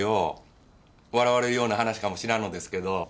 笑われるような話かもしらんのですけど。